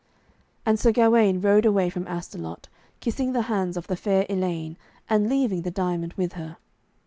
And Sir Gawaine rode away from Astolat, kissing the hands of the fair Elaine, and leaving the diamond with her.